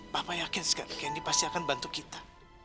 papa yakin sekali kendi pasti akan bantu kita